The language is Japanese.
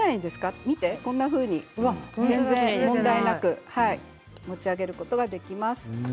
って見て、こんなふうに全然問題なく持ち上げることができます。